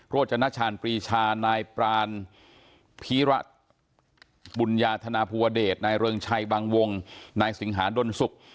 จนชาญปรีชานายปรานพีระบุญญาธนาภูวเดชนายเริงชัยบางวงนายสิงหาดนศุกร์